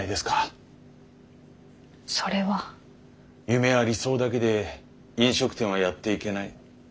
夢や理想だけで飲食店はやっていけない。